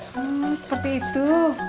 hmm seperti itu